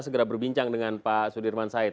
segera berbincang dengan pak sudirman said